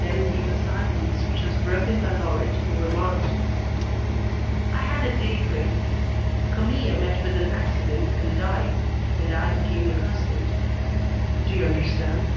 Then came a silence which was broken by Laurent who remarked: "I had a day dream. Camille met with an accident and died, and I became your husband. Do you understand?"